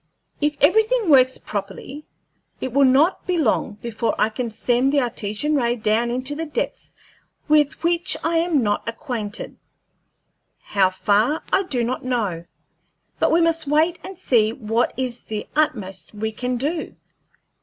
If everything works properly, it will not be long before I can send the Artesian ray down into depths with which I am not acquainted how far I do not know but we must wait and see what is the utmost we can do.